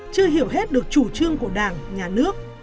chưa hiểu hết được chủ trương của đảng nhà nước